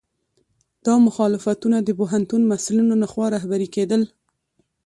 دا مخالفتونه د پوهنتون محصلینو لخوا رهبري کېدل.